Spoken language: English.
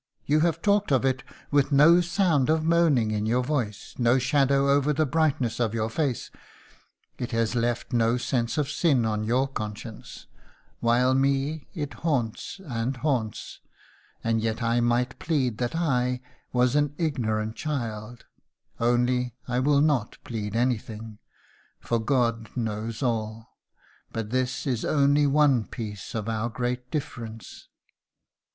You have talked of it with no sound of moaning in your voice, no shadow over the brightness of your face; it has left no sense of sin on your conscience, while me it haunts and haunts; and yet I might plead that I was an ignorant child; only I will not plead anything, for God knows all. But this is only one piece of our great difference."